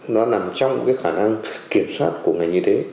nó nằm trong cái khả năng kiểm soát của ngành như thế